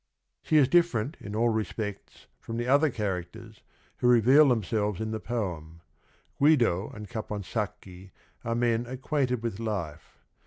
She is different in all respects from the other characters who reveal themselves in the poem. Guido and Caponsacchi are men ac quainted with life.